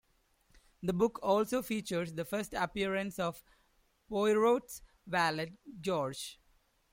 The book also features the first appearance of Poirot's valet, George.